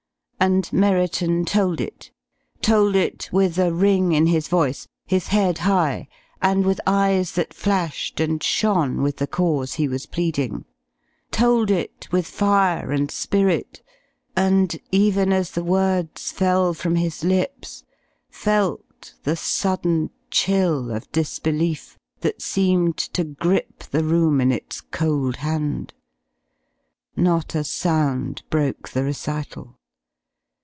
And Merriton told it, told it with a ring in his voice, his head high, and with eyes that flashed and shone with the cause he was pleading. Told it with fire and spirit; and even as the words fell from his lips, felt the sudden chill of disbelief that seemed to grip the room in its cold hand. Not a sound broke the recital.